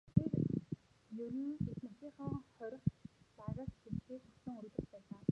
Тэр нь ердөө эх нутгийнхаа хорих лагерьт шилжихийг хүссэн өргөдөл байлаа.